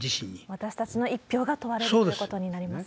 私たちの一票が問われるということになりますね。